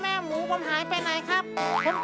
และคู่อย่างฉันวันนี้มีความสุขจริง